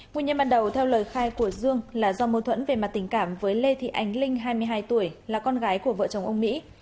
nguyên nhân ban đầu theo lời khai của dương là do mâu thuẫn về mặt tình cảm với lê thị ánh linh hai mươi hai tuổi là con gái của vợ chồng ông mỹ